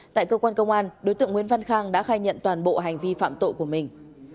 tại cơ quan công an đối tượng nguyễn văn khang đã khai nhận toàn bộ hành vi phạm tội của mình